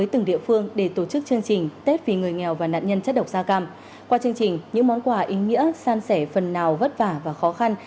theo chương trình những món quà ý nghĩa san sẻ phần nào vất vả và khó khăn